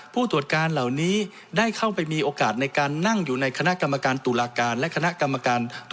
ผู้ตรวจการเหล่านี้ได้เข้าไปมีโอกาสในการนั่งอยู่ในคณะกรรมการตุลาการและคณะกรรมการ